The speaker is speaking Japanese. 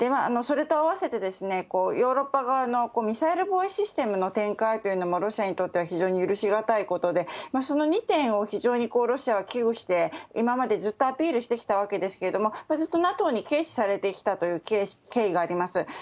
それと併せてですね、ヨーロッパ側のミサイル防衛システムの展開というのも、ロシアにとっては非常に許し難いことで、その２点を非常にロシアは危惧して、今までずっとアピールしてきたわけですけれども、ずっとＮＡＴＯに軽視されてきたという経緯があります。